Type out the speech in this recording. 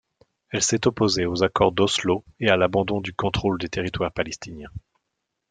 Elle s'est opposée aux accords d'Oslo et à l'abandon du contrôle des territoires palestiniens.